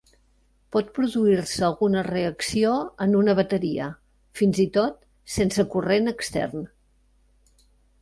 Pot produir-se alguna reacció en una bateria, fins i tot sense corrent extern.